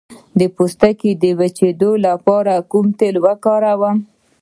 د پوستکي د وچیدو لپاره کوم تېل وکاروم؟